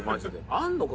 あるのか？